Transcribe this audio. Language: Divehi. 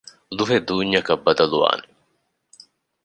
އުދުހޭ ދޫންޏަކަށް ބަދަލުވާނެ